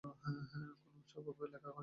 কোনো জবাব লেখা হইল না।